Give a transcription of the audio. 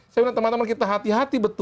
saya bilang teman teman kita hati hati betul